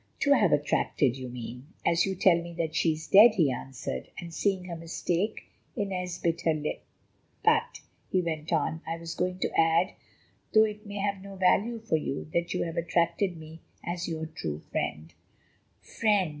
"To have attracted, you mean, as you tell me that she is dead," he answered; and, seeing her mistake, Inez bit her lip. "But," he went on, "I was going to add, though it may have no value for you, that you have attracted me as your true friend." "Friend!"